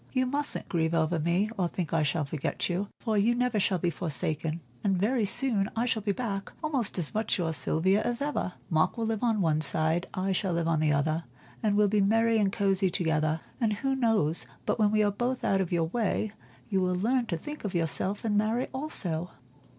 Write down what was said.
You mustn't grieve over me, or think I shall forget you, for you never shall be forsaken; and very soon I shall be back, almost as much your Sylvia as ever. Mark will live on one side, I shall live on the other, and we'll be merry and cosy together. And who knows but when we are both out of your way you will learn to think of yourself and marry also."